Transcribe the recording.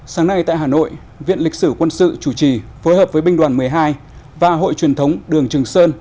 sáng nay tại hà nội viện lịch sử quân sự chủ trì phối hợp với binh đoàn một mươi hai và hội truyền thống đường trường sơn